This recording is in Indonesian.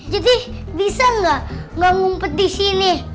jadi bisa nggak ngumpet di sini